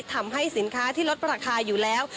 ทำให้สินค้าที่ลดราคาอยู่แล้ว